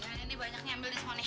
iya ini banyaknya ambil nih semua nih